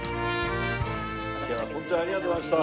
今日はホントにありがとうございました。